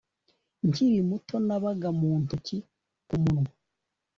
Nkiri muto nabaga mu ntoki ku munwa